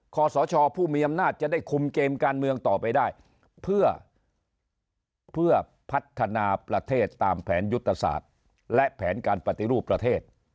ขอสชผู้มีอำนาจจะได้คุมเกมการเมืองต่อไปได้เพื่อพัฒนาประเทศตามแผนยุทธศาสตร์และแผนการปฏิรูปประเทศ